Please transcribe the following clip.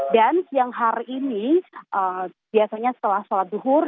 dan siang hari ini biasanya setelah sholat duhur